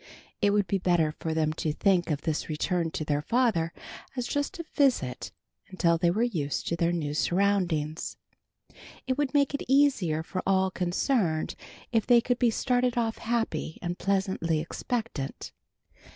It would be better for them to think of this return to their father as just a visit until they were used to their new surroundings. It would make it easier for all concerned if they could be started off happy and pleasantly expectant.